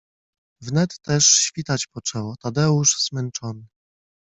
Wnet też świtać poczęło, Tadeusz zmęczony